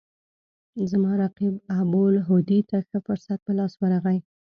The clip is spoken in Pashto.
زما رقیب ابوالهدی ته ښه فرصت په لاس ورغی.